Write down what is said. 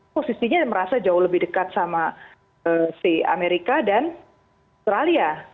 posisinya merasa jauh lebih dekat sama si amerika dan australia